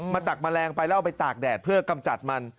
ตักแมลงไปแล้วเอาไปตากแดดเพื่อกำจัดมัน